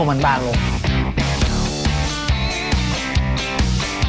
ตอนนี้เราใช้เบอร์๐๐๐